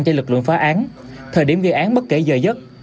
cho lực lượng phá án thời điểm gây án bất kể giờ giấc